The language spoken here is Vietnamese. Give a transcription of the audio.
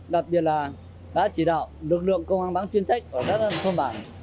đặc biệt là đã chỉ đạo lực lượng công an bán chuyên trách ở các thôn bản